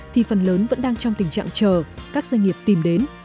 thì phần lớn vẫn đang trong tình trạng chờ các doanh nghiệp tìm đến